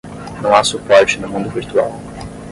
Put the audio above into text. Não há suporte no mundo virtual.